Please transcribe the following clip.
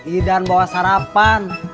idan bawa sarapan